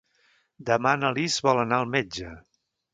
Demà na Lis vol anar al metge.